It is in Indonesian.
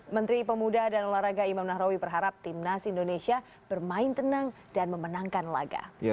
menteri pemuda dan olahraga imam nahrawi berharap timnas indonesia bermain tenang dan memenangkan laga